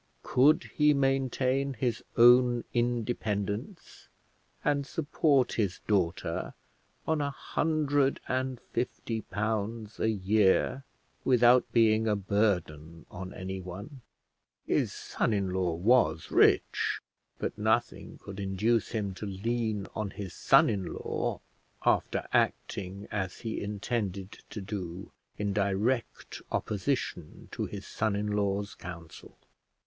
Could he maintain his own independence and support his daughter on a hundred and fifty pounds a year without being a burden on anyone? His son in law was rich, but nothing could induce him to lean on his son in law after acting, as he intended to do, in direct opposition to his son in law's counsel.